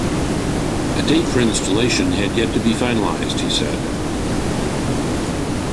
A date for installation had yet to be finalized, he said.